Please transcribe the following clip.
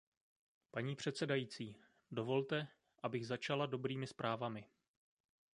Paní předsedající, dovolte, abych začala dobrými zprávami.